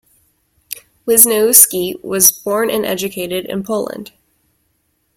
Wisniewski was born and educated in Poland.